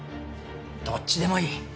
どっちでもいい。